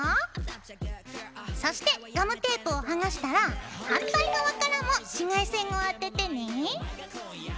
そしてガムテープを剥がしたら反対側からも紫外線を当ててね。